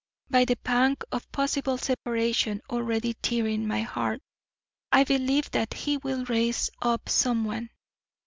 By the pang of possible separation already tearing my heart, I believe that He WILL raise up someone.